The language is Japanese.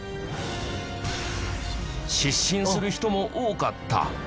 失神する人も多かった。